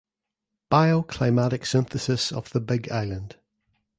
Bioclimatic synthesis of the Big Island.